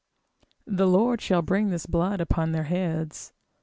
The Lord shall bring this blood upon their heads.